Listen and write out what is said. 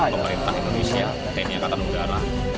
pemerintah indonesia tni angkatan udara